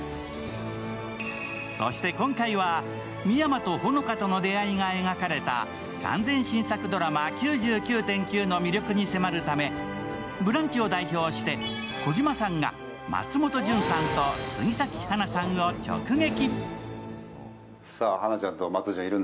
そして今回は、深山と穂乃果との出会いが描かれた完全新作ドラマ「９９．９」の魅力に迫るため「ブランチ」を代表して児嶋さんが松本潤さんと杉咲花さんを直撃。